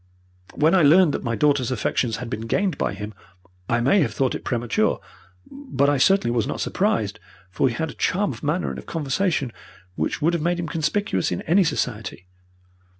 When I learned that my daughter's affections had been gained by him, I may have thought it premature, but I certainly was not surprised, for he had a charm of manner and of conversation which would have made him conspicuous in any society.